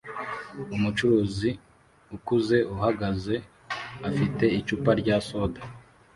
Umucuruzi ukuze uhagaze afite icupa rya soda